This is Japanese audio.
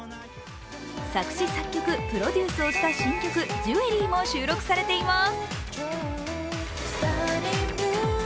作詞・作曲・プロデュースをした新曲「ジュエリー」も収録されています。